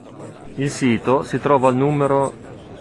Il sito si trova al nr.